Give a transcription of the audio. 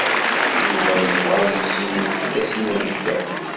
Yuba yebɣa ad yezrew tasnajya.